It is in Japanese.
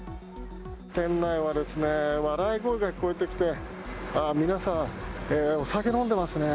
店内はですね、笑い声が聞こえてきて、皆さん、お酒飲んでますね。